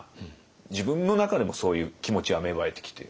自分の中でもそういう気持ちは芽生えてきて。